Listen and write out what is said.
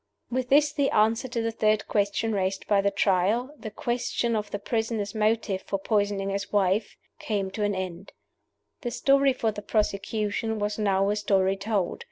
With this the answer to the third question raised by the Trial the question of the prisoner's motive for poisoning his wife came to an end. The story for the prosecution was now a story told.